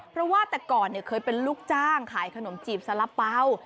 เพราะว่าแต่ก่อนเคยเป็นลูกจ้างขายขนมจีบสารเป๋า